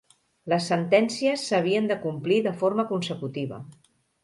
Les sentències s'havien de complir de forma consecutiva.